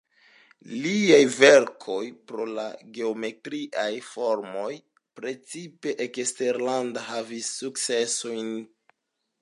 Liaj verkoj pro la geometriaj formoj precipe eksterlanda havis sukcesojn.